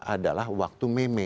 adalah waktu meme